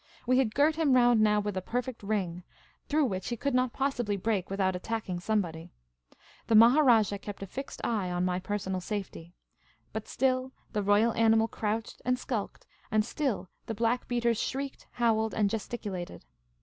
We had girt him round now with a perfect ring, through which he could not possiljly break without attacking somebody. The Maharajah kept a fixed eye on my personal safety. But still the royal animal crouched and skulked, and still the black beaters shrieked, howled, and gesticnlated.